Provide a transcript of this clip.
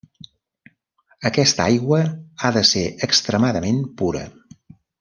Aquesta aigua ha de ser extremadament pura.